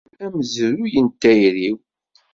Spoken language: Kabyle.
Amezruy n tayri-w.